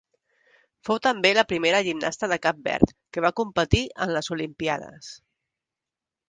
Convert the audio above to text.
Fou també la primera gimnasta de Cap Verd que va competir en les Olimpíades.